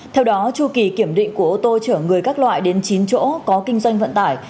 theo đó chu kỳ kiểm định của ô tô chở người các loại đến chín chỗ có kinh doanh vận tải